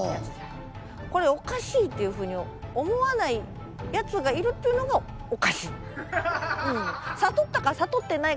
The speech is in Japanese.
これおかしいっていうふうに思わないやつがいるっていうのがおかしい。